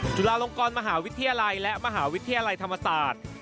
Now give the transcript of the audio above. จุฬาลงกรมหาวิทยาลัยและมหาวิทยาลัยธรรมศาสตร์